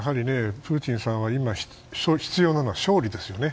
プーチンさんは今、必要なのは勝利ですよね。